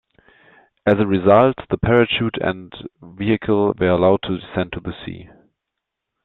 As a result, the parachute and vehicle were allowed to descend to the sea.